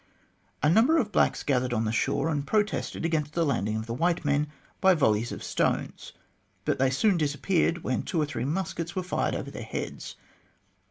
A number of blacks gathered on the shore and protested against the landing of the white men by volleys of stones, but they soon disappeared when two or three muskets were fired over their heads.